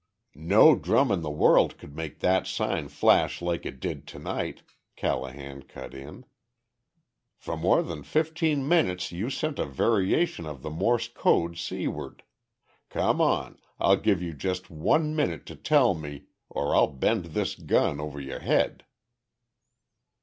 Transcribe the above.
"No drum in the world could make that sign flash like it did to night," Callahan cut in. "For more than fifteen minutes you sent a variation of the Morse code seaward. Come on I'll give you just one minute to tell me, or I'll bend this gun over your head."